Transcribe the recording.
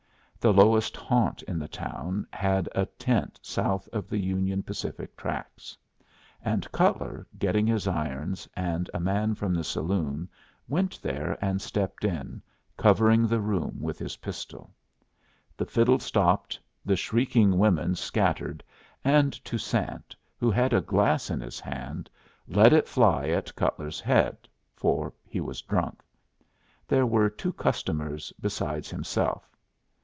The lowest haunt in the town had a tent south of the Union Pacific tracks; and Cutler, getting his irons, and a man from the saloon, went there, and stepped in, covering the room with his pistol. The fiddle stopped, the shrieking women scattered, and Toussaint, who had a glass in his hand, let it fly at Cutler's head, for he was drunk. There were two customers besides himself.